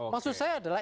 maksud saya adalah